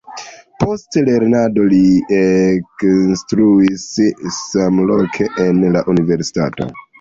Post lernado li ekinstruis samloke en la universitato.